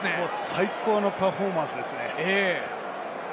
最高のパフォーマンスですね。